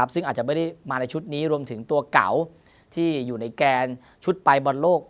ซึ่งอาจจะไม่ได้มาในชุดนี้รวมถึงตัวเก่าที่อยู่ในแกนชุดไปบอลโลก